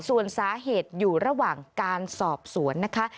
ส่วนสาเหตุอยู่ระหว่างการสอบสวนนะคะ